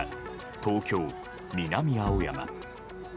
東京・南青山。